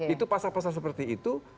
itu pasal pasal seperti itu